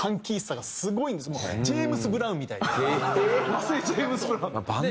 和製ジェームス・ブラウン。